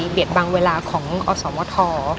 เบียดบังเวลาของอสมท